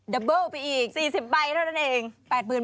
ับเบิ้ลไปอีก๔๐ใบเท่านั้นเอง